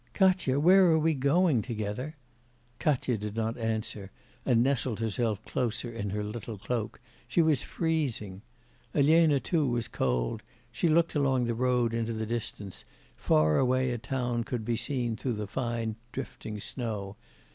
'Katya, where are we going together?' Katya did not answer, and nestled herself closer in her little cloak; she was freezing. Elena too was cold; she looked along the road into the distance; far away a town could be seen through the fine drifting snow.